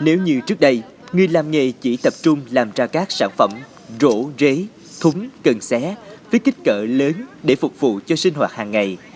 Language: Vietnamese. nếu như trước đây người làm nghề chỉ tập trung làm ra các sản phẩm rổ rế thúng cần xé với kích cỡ lớn để phục vụ cho sinh hoạt hàng ngày